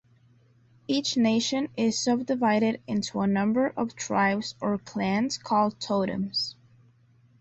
Each nation is subdivided into a number of tribes or clans called totems.